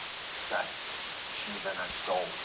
Baba yake ni mkali kama simba